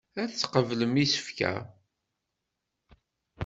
Ad tqeblem isefka.